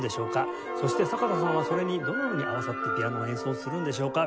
そして阪田さんはそれにどのように合わさってピアノを演奏するんでしょうか？